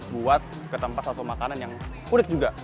buat ke tempat atau makanan yang unik juga